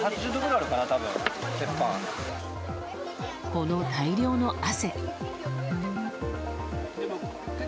この大量の汗。